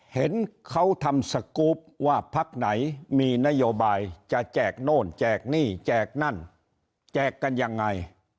เห็นเขาทำสกรูปว่าพักไหนมีนโยบายจะแจกโน่นแจกหนี้แจกนั่นแจกกันยังไง